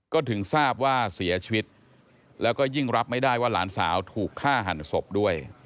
ก็ถึงทราบว่าเสียชีวิตแล้วก็ยิ่งรับไม่ได้ว่าหลานสาวถูกฆ่าหันศพด้วย